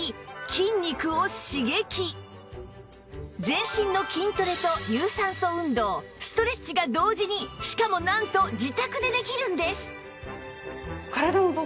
全身の筋トレと有酸素運動ストレッチが同時にしかもなんと自宅でできるんです